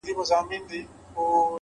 د زړه سکون تر شتمنۍ ارزښتمن دی؛